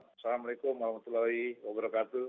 assalamualaikum warahmatullahi wabarakatuh